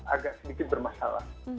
agak sedikit bermasalah